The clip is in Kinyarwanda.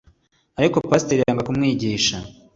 ariko pasiteri yanga kumwigisha